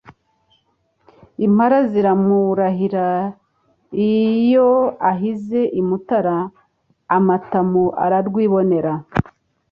Impara ziramurahira, iyo ahize i Mutara amatamu ararwibonera,